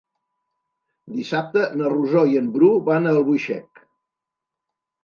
Dissabte na Rosó i en Bru van a Albuixec.